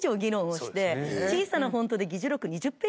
小さなフォントで。